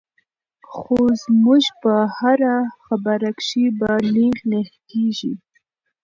خو زمونږ پۀ هره خبره کښې به نېغ نېغ کيږي -